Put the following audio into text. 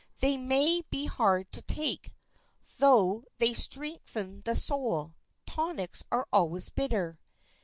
They may be hard to take, though they strengthen the soul. Tonics are always bitter.